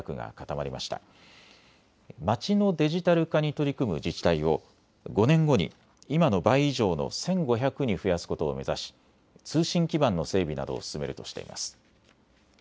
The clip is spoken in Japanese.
まちのデジタル化に取り組む自治体を５年後に今の倍以上の１５００に増やすことを目指し通信基盤の整備などを進めるとしています。